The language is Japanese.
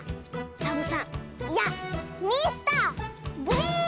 サボさんいやミスターグリーン！